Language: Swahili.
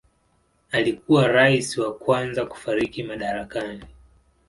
Alikuwa rais wa kwanza kufariki madarakani.